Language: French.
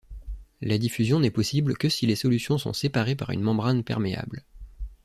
La diffusion n'est possible que si les solutions sont séparées par une membrane perméable.